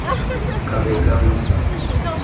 Kabega Musa